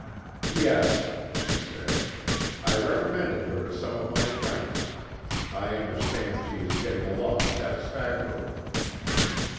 "Yes," she said; "I recommended her to some of my friends. I understand she is getting along satisfactorily."